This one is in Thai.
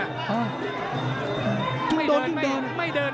ยิ่งโดนยิ่งเดิน